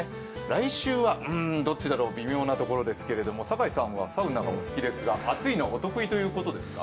来週はどっちだろう微妙なところですけど酒井さんはサウナがお好きですが、暑いのがお得意ということですか？